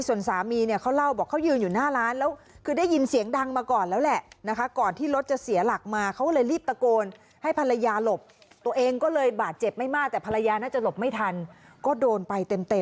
ส่วนสามีเขาเล่าบอกเขายืนอยู่หน้าร้านแล้วคือได้ยินเสียงดังมาก่อนแล้วแหละนะคะ